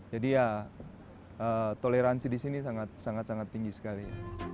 jadi ya toleransi di sini sangat sangat tinggi sekali